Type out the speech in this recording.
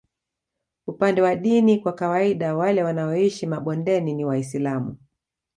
Upande wa dini kwa kawaida wale wanaoishi mabondeni ni Waislamu